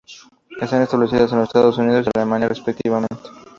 Están establecidas en los Estados Unidos y Alemania respectivamente.